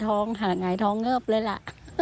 ท้องหาหงายท้องเงิบเลยล่ะ